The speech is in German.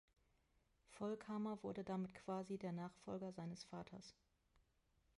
Volkamer wurde damit quasi der Nachfolger seines Vaters.